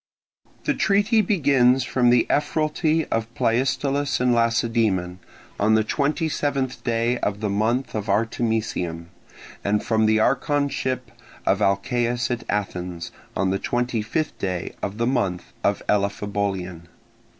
The treaty begins from the ephoralty of Pleistolas in Lacedaemon, on the 27th day of the month of Artemisium, and from the archonship, of Alcaeus at Athens, on the 25th day of the month of Elaphebolion.